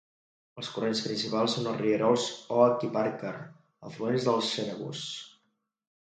Els corrents principals són els rierols Oak i Parker, afluents del Schenevus.